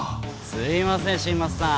すいません新町さん